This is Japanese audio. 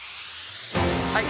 はい。